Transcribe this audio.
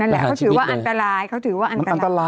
มันติดคุกออกไปออกมาได้สองเดือน